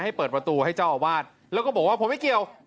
ให้เปิดประตูให้เจ้าอาวาสแล้วก็บอกว่าผมไม่เกี่ยว